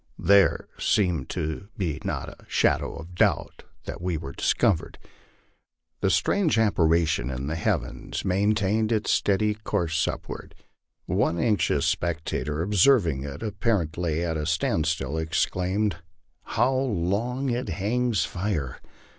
There seemed to be not the shadow of doubt that we were discovered. The strange apparition in the heavens main taiued its steady course upward. One anxious spectator, observing it appar ently at a standstill, exclaimed, "How long it hangs fire!